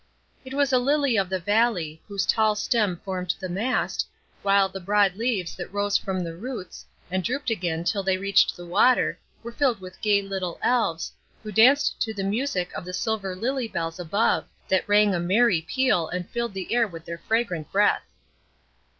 It was a lily of the valley, whose tall stem formed the mast, while the broad leaves that rose from the roots, and drooped again till they reached the water, were filled with gay little Elves, who danced to the music of the silver lily bells above, that rang a merry peal, and filled the air with their fragrant breath.